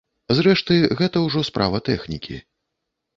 Зрэшты, гэта ўжо справа тэхнікі.